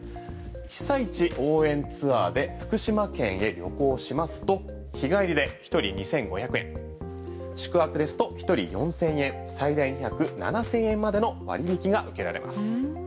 被災地応援ツアーで福島県を旅行しますと日帰りで１人２５００円宿泊ですと１人４０００円最大７０００円までの割引が受けられます。